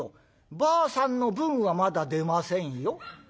ばあさんの分はまだ出ませんよ」。